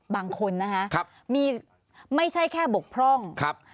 บางคนนะคะมีไม่ใช่แค่บกพร่องครับ